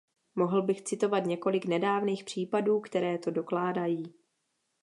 Mohl bych citovat několik nedávných případů, které to dokládají.